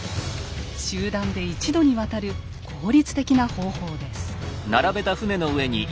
集団で一度に渡る効率的な方法です。